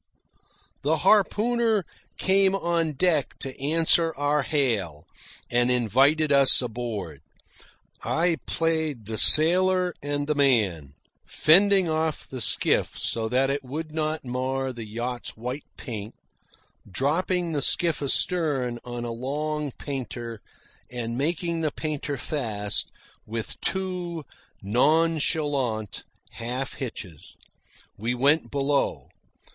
The harpooner came on deck to answer our hail, and invited us aboard. I played the sailor and the man, fending off the skiff so that it would not mar the yacht's white paint, dropping the skiff astern on a long painter, and making the painter fast with two nonchalant half hitches. We went below.